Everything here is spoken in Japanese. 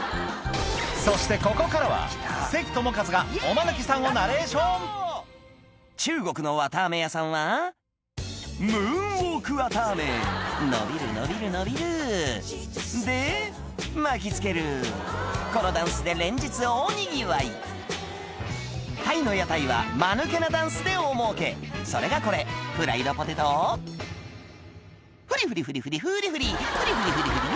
そしてここからは関智一がおマヌケさんをナレーション中国の綿あめ屋さんはムーンウオーク綿あめ伸びる伸びる伸びるで巻きつけるこのダンスで連日大にぎわいタイの屋台はマヌケなダンスで大もうけそれがこれフライドポテトを「フリフリフリフリフリフリ！フリフリフリフリフリフリ！」